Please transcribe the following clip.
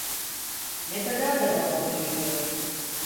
Ne kadarda dalgın yürüyor…